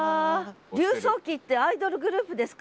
柳叟忌ってアイドルグループですか？